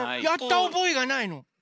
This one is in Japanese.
やった覚えがないの。